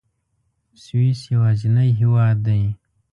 سویس یوازینی هېواد دی.